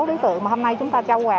đối tượng mà hôm nay chúng ta trao quà